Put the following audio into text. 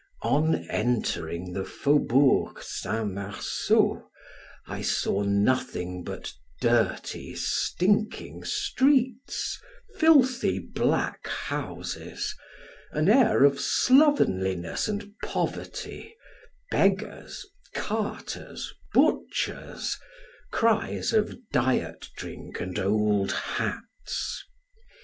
On entering the faubourg St. Marceau, I saw nothing but dirty stinking streets, filthy black houses, an air of slovenliness and poverty, beggars, carters, butchers, cries of diet drink and old hats.